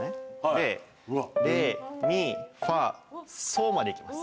でレミファソまでいきます。